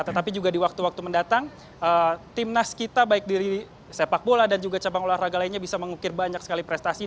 tetapi juga di waktu waktu mendatang timnas kita baik diri sepak bola dan juga cabang olahraga lainnya bisa mengukir banyak sekali prestasi